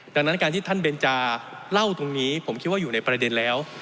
ดังนั้นการที่ท่านเบนจาเล่าตรงนี้ผมคิดว่าอยู่ในประเด็นแล้ว